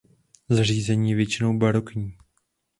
Zařízení je většinou barokní.